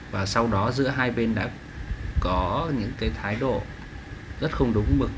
và sau đó giữa hai bên đã có những cái thái độ rất không đúng mực